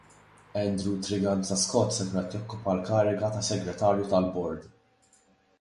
Andrew Triganza Scott se jkun qed jokkupa l-kariga ta' segretarju tal-bord.